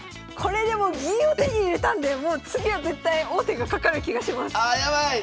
これでもう銀を手に入れたんで次は絶対王手がかかる気がします。